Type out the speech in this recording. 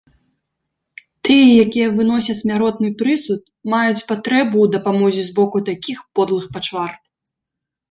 Тыя, якія выносяць смяротны прысуд, маюць патрэбу ў дапамозе з боку такіх подлых пачвар.